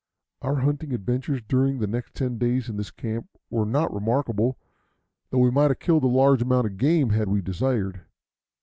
Our hunting adventures during the next ten days in this camp were not remarkable, though we might have killed a large amount of game had we desired.